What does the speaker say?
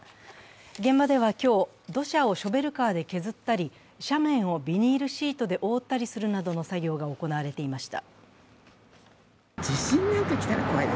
現場では今日、土砂をショベルカーで削ったり斜面をビニールシートで覆ったりするなどの作業が行われていました。